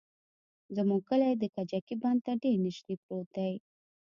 زموږ کلى د کجکي بند ته ډېر نژدې پروت دى.